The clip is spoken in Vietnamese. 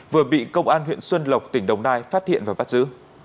vừa bị công an huyện xuân lộc tỉnh đồng nai phát hiện và bắt giữ